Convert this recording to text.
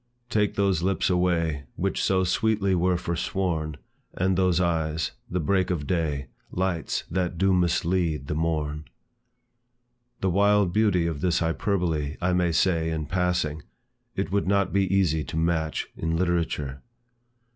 Take those lips away Which so sweetly were forsworn; And those eyes, the break of day, Lights that do mislead the morn. The wild beauty of this hyperbole, I may say, in passing, it would not be easy to match in literature.